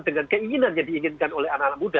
dengan keinginannya diinginkan oleh anak anak muda